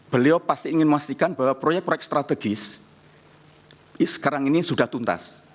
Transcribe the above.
beliau pasti ingin memastikan bahwa proyek proyek strategis sekarang ini sudah tuntas